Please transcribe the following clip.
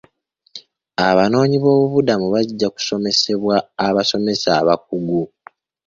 Abanoonyiboobubudamu bajja kusomesebwa abasomesa abakugu.